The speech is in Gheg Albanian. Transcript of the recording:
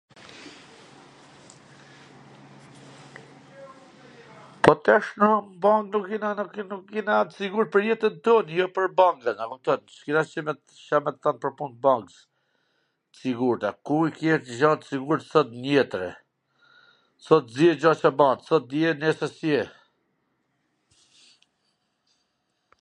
Po tash na bahen nuk jena t sigurt pwr jetwn ton, jo pwr bamzwn, a kupton, s kena Ca me t than pwr pun t bamwz, t sigurta, kush ke gja t sigurt soot n jetwn, re, sot s dihet gja Ca bahet, sot je neswr s je.